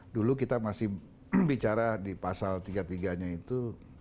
dulu kita masih bicara di pasal tiga puluh tiga nya itu